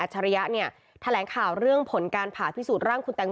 ฉริยะเนี่ยแถลงข่าวเรื่องผลการผ่าพิสูจนร่างคุณแตง